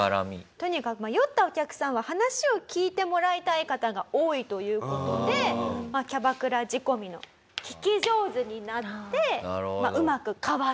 とにかく酔ったお客さんは話を聞いてもらいたい方が多いという事でキャバクラ仕込みの聞き上手になってうまくかわす。